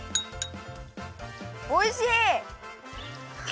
おいしい！